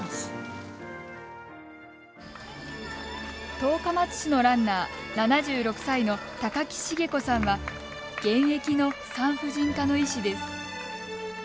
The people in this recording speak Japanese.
十日町市のランナー、７６歳の高木成子さんは現役の産婦人科の医師です。